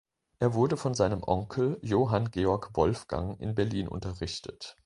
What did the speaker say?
Er wurde von seinem Onkel Johann Georg Wolfgang in Berlin unterrichtet.